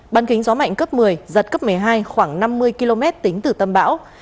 ban kính gió mạnh cấp một mươi giật cấp một mươi hai khoảng năm mươi km tính từ tâm bão